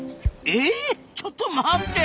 えっちょっと待って！